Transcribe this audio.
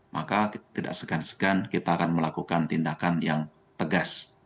maka tidak segan segan kita akan melakukan tindakan yang tegas